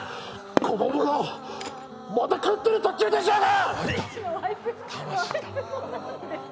子供が、まだ食ってる途中でしょうが！